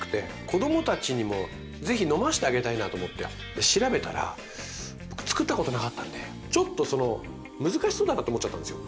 子供たちにも是非飲ませてあげたいなと思って調べたら僕つくったことなかったんでちょっとその難しそうだなって思っちゃったんですよ。